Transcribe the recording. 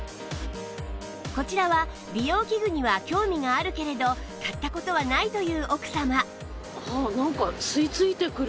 こちらは美容器具には興味があるけれど買った事はないという奥様